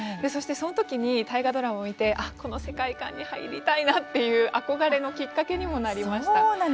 そしてそのときに大河ドラマを見てこの世界観に入りたいなという憧れのきっかけにもなりました。